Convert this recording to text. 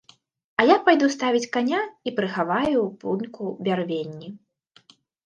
А я пайду ставіць каня і прыхаваю ў пуньку бярвенні.